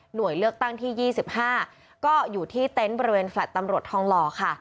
เลือกตั้งที่๒๕ก็อยู่ที่เต็นต์บริเวณแฟลต์ตำรวจทองหล่อค่ะ